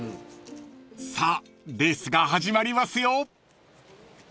［さあレースが始まりますよ］